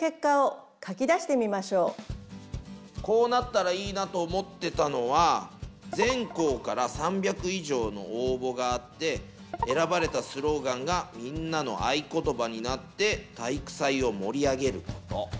こうなったらいいなと思ってたのは全校から３００以上の応募があって選ばれたスローガンがみんなの合言葉になって体育祭を盛り上げること。